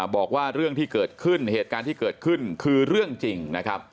บอกว่าเรื่องที่เกิดขึ้นเหตุการณ์ที่เกิดขึ้นคือเรื่องจริงนะครับ